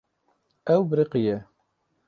Ew biriqiye.